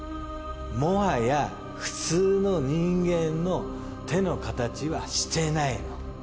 もはや普通の人間の手の形はしてないの。